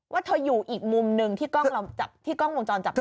ว่าเธออยู่อีกมุมหนึ่งที่กล้องวงจรปิดจับได้